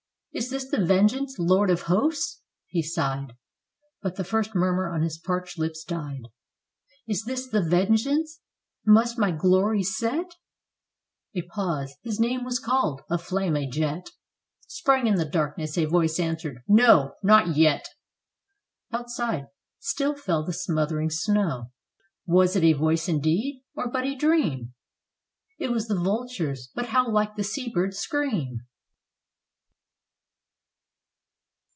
"Is this the vengeance, Lord of Hosts?" he sighed, But the first murmur on his parched lips died. "Is this the vengeance? Must my glory set?" A pause: his name was called; of flame a jet Sprang in the darkness — a Voice answered: "No! Not yet." Outside still fell the smothering snow. Was it a voice indeed? or but a dream! It was the vulture's, but how like the sea bird's scream.